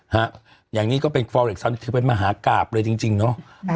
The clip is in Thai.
ฮะอย่างนี้ก็เป็นฟอเล็กซันนี่ถือเป็นมหากราบเลยจริงเนาะ